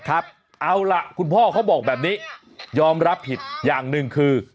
เอาล่ะคุณพ่อเขาบอกแบบนี้ยอมรับผิดอย่างหนึ่งคือ